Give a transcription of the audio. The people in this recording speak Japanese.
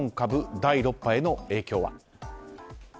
第６波への影響は？